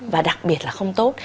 và đặc biệt là không tốt